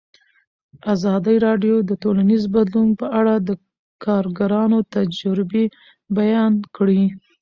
ازادي راډیو د ټولنیز بدلون په اړه د کارګرانو تجربې بیان کړي.